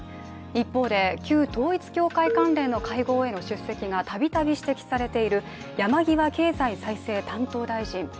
一方、で旧統一教会関連の会合への出席がたびたび指摘されている山際経済再生担当大臣。